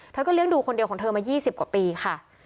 เธอก็เลี้ยงดูคนเดียวของเธอมา๒๐กว่าปีค่ะ